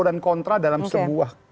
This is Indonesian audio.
dan kontra dalam sebuah kontra oke